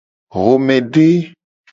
Xomede.